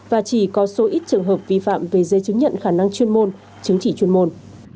và chỉ có số ít trường hợp vi phạm về dây chứng nhận khả năng chuyên môn chứng chỉ chuyên môn